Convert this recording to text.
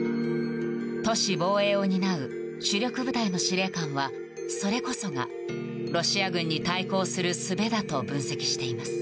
都市防衛を担う主力部隊の司令官はそれこそがロシア軍に対抗するすべだと分析しています。